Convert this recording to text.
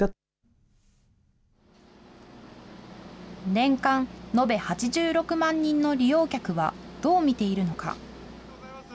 年間延べ８６万人の利用客はどう見ているのか。